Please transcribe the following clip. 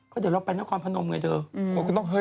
ก็เดี๋ยวเราเป็นนักกรพนมไงเธอ